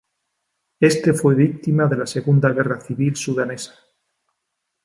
Este fue víctima de la Segunda guerra civil sudanesa.